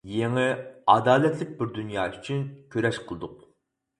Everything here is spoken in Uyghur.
يېڭى، ئادالەتلىك بىر دۇنيا ئۈچۈن كۈرەش قىلدۇق!